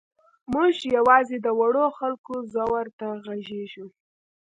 موږ یوازې د وړو خلکو ځور ته غږېږو.